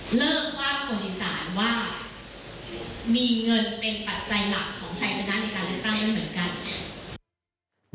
มีเงินเป็นปัจจัยหลักของชัยชนะในการเลือกตั้งนั้นเหมือนกัน